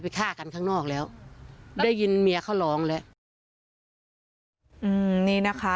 ฆ่ากันข้างนอกแล้วได้ยินเมียเขาร้องแล้วอืมนี่นะคะ